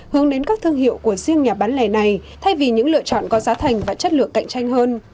hướng đến các thương hiệu của riêng nhà bán lẻ này thay vì những lựa chọn có giá thành và chất lượng cạnh tranh hơn